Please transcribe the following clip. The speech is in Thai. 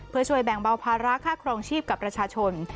เพื่อช่วยแบ่งเบาภาระค่าครองชีพกับประชาชน